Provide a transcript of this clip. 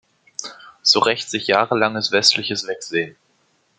So rächt sich jahrelanges westliches Wegsehen.